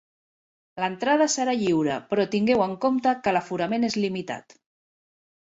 L'entrada serà lliure, però tingueu en compte que l'aforament és limitat.